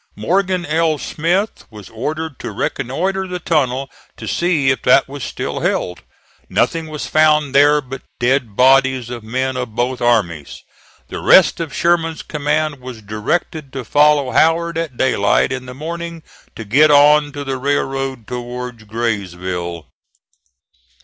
Morgan L. Smith was ordered to reconnoitre the tunnel to see if that was still held. Nothing was found there but dead bodies of men of both armies. The rest of Sherman's command was directed to follow Howard at daylight in the morning to get on to the railroad towards Graysville.